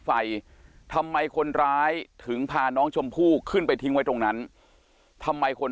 ไฟทำไมคนร้ายถึงพาน้องชมพู่ขึ้นไปทิ้งไว้ตรงนั้นทำไมคน